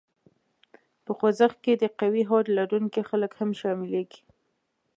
په خوځښت کې د قوي هوډ لرونکي خلک هم شامليږي.